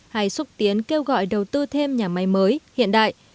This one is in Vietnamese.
hay xúc tiến kêu gọi đầu tư thêm nhà máy mới hiện đại